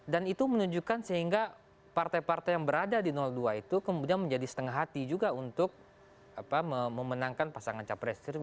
dan itu menunjukkan sehingga partai partai yang berada di dua itu kemudian menjadi setengah hati juga untuk memenangkan pasangan capres